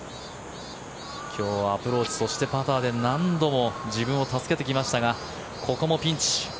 今日はアプローチそしてパターで何度も自分を助けてきましたがここもピンチ。